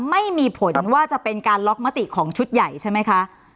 ไม่มีผลว่าจะเป็นการล็อกมติของชุดใหญ่ใช่ไหมคะ